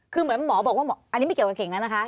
คือเหมือนหมอบอกว่าอันนี้ไม่เกี่ยวกับเข่งนั้นนะคะ